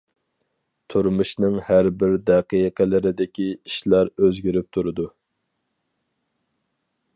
تۇرمۇشنىڭ ھەر بىر دەقىقىلىرىدىكى ئىشلار ئۆزگىرىپ تۇرىدۇ.